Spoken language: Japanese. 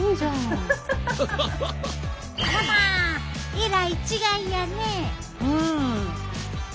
えらい違いやね。